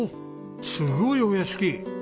すごいお屋敷。